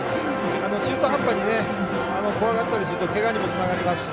中途半端に怖がったりするとけがにもつながりますし。